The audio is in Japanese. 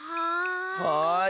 はい。